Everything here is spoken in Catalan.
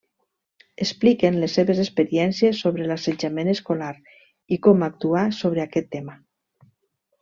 Expliquen les seves experiències sobre l'assetjament escolar i com actuar sobre aquest tema.